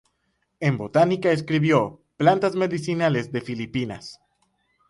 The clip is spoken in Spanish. En botánica escribió "Plantas medicinales de Filipinas".